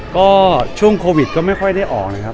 ก็ช่วงโควิดก็ไม่ค่อยได้ออกนะครับ